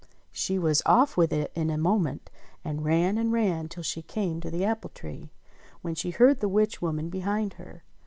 she was off with it in a moment, and ran and ran till she came to the apple tree, when she heard the witch woman behind her.